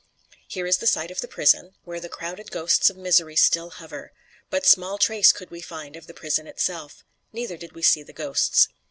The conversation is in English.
Here is the site of the prison, where the crowded ghosts of misery still hover; but small trace could we find of the prison itself, neither did we see the ghosts.